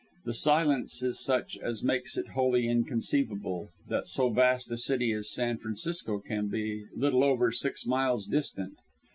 The silence is such as makes it wholly inconceivable, that so vast a city as San Francisco can be little over six miles distant.